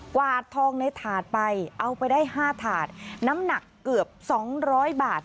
กวาดทองในถาดไปเอาไปได้ห้าถาดน้ำหนักเกือบสองร้อยบาท